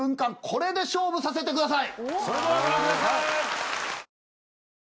これで勝負させてください